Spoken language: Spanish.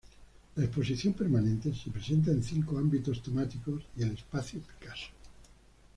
La exposición permanente se presenta en cinco ámbitos temáticos y el Espacio Picasso.